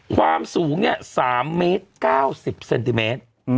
ความสูง๓เมตร๙๐เซนติเมตร